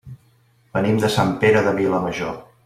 Venim de Sant Pere de Vilamajor.